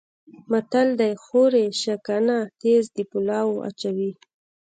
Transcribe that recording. متل دی: خوري شکنه تیز د پولاو اچوي.